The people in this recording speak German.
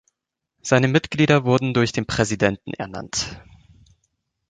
Seine Mitglieder wurden durch den Präsidenten ernannt.